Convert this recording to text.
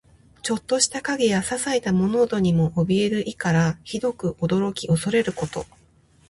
ちょっとした影やささいな物音にもおびえる意から、ひどく驚き怖れること。